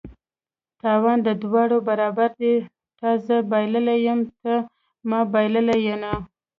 تاوان د دواړه برابر دي: تا زه بایللي یم ته ما بایلله ینه